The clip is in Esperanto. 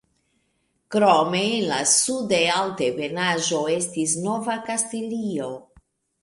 Krome, en la Suda Altebenaĵo estis Nova Kastilio.